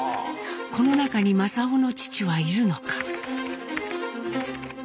この中に正雄の父はいるのか。